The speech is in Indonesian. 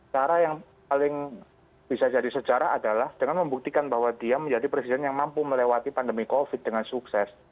cara yang paling bisa jadi sejarah adalah dengan membuktikan bahwa dia menjadi presiden yang mampu melewati pandemi covid dengan sukses